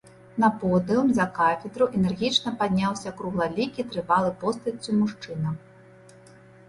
На подыум, за кафедру, энергічна падняўся круглалікі, трывалы постаццю мужчына.